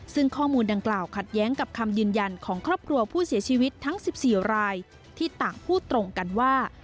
ซึ่งข้อมูลดังกล่าวขัดแย้งกับคำยืนยันของครอบครัวผู้เสียชีวิตทั้ง๑๔รายที่ต่างพูดตรงกันว่า